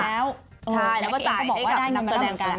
แล้วก็จ่ายให้กับนักแสดงก่อน